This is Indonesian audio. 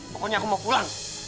pokoknya aku mau pulang